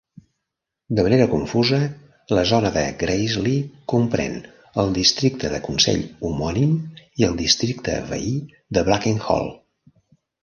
De manera confusa, la zona de Graiseley comprèn el districte de consell homònim i el districte veí de Blakenhall.